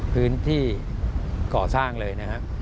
พื้นที่ก่อสร้างเลย